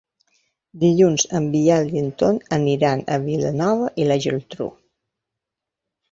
Dilluns en Biel i en Ton aniran a Vilanova i la Geltrú.